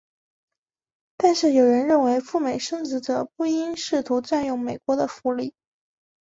但是有人认为赴美生子者不应试图占用美国的福利。